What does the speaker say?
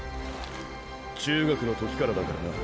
中学の時からだからな。